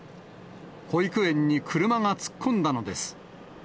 保育園に車が突っ込んだのです。